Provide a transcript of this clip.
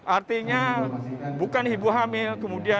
artinya bukan ibu hamil